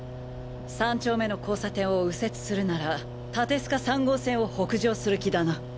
３丁目の交差点を右折するなら館須賀３号線を北上する気だな。